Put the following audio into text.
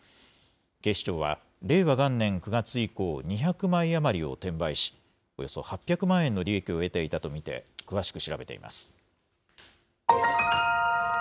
警視庁は、令和元年９月以降、２００枚余りを転売し、およそ８００万円の利益を得ていたと見て詳しく調べています。